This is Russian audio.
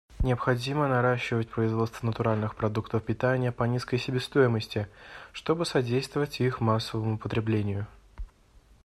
Необходимо наращивать производство натуральных продуктов питания по низкой себестоимости, чтобы содействовать их массовому потреблению.